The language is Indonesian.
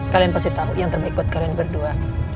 kalian pasti tahu yang terbaik buat kalian berdua